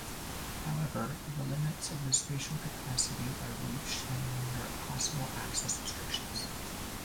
However, the limits of the spatial capacity are reached and then there are possible access restrictions.